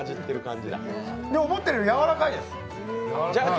思ってるよりやわらかいです。